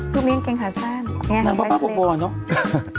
ดูมีกางเกงขาแซ่นไงไงไงไง